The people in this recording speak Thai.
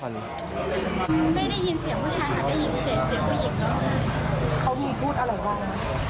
ไม่ได้ยินอะไรบ้าง